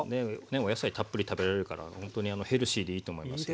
お野菜たっぷり食べられるからほんとにヘルシーでいいと思いますよ。